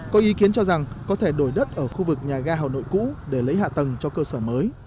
có ý kiến cho rằng có thể đổi đất ở khu vực nhà ga hà nội cũ để lấy hạ tầng cho cơ sở mới